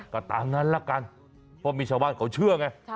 ก็ตามนั้นละกันเพราะมีชาวบ้านเขาเชื่อไง